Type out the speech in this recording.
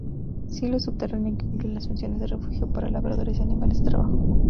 Silo subterráneo que cumple las funciones de refugio para labradores y animales de trabajo.